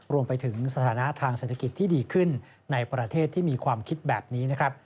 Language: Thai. รวมไปถึงสถานะทางเศรษฐกิจที่ดีขึ้นในประเทศที่มีความคิดแบบนี้นะครับ